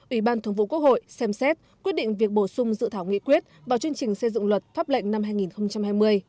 ủy ban thường vụ quốc hội xem xét quyết định việc bổ sung dự thảo nghị quyết vào chương trình xây dựng luật pháp lệnh năm hai nghìn hai mươi